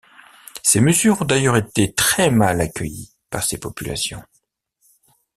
Ces mesures ont d'ailleurs été très mal accueillies par ces populations.